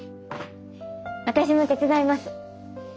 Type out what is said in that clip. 私も手伝います。